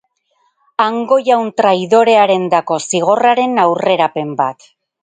Hango jaun traidorearendako zigorraren aurrerapen bat.